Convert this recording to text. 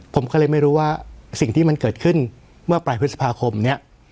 ผมก็เลยไม่รู้ว่าสิ่งที่มันเกิดขึ้นเมื่อปลายพฤษภาคมเนี่ย